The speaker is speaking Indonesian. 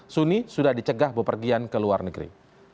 suni sudah dicegah bepergian ke luar negeri